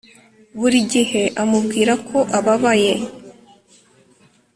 buri gihe amubwira ko ababaye